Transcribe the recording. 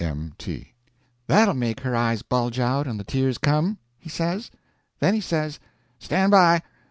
—M.T. "That'll make her eyes bulge out and the tears come," he says. Then he says: "Stand by!